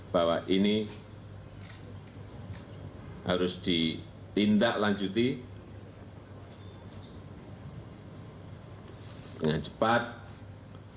bahwa ini harus ditindaklanjuti dengan cepat dengan ketegasan